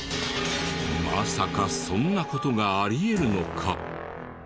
まさかそんな事があり得るのか？